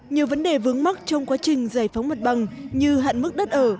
nhiều vấn đề vướng mắc trong quá trình giải phóng mặt bằng như hạn mức đất ở